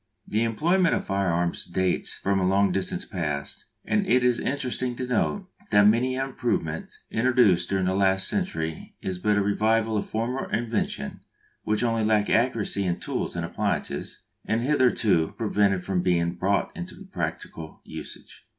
The employment of firearms dates from a long distant past, and it is interesting to note that many an improvement introduced during the last century is but the revival of a former invention which only lack of accuracy in tools and appliances had hitherto prevented from being brought into practical usage.